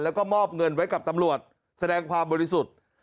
แล้วก็มอบเงินไว้กับตำรวจแสดงความบริสุทธิ์